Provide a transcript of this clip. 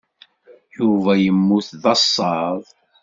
Yuba yemmut d asaḍ.